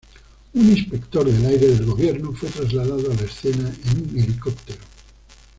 Un inspector del aire del Gobierno fue trasladado a la escena en un helicóptero.